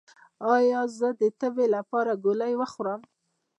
ایا زه د تبې لپاره ګولۍ وخورم؟